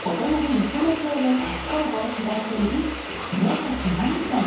与謝野町で菓子工房を開いている宮真実さん。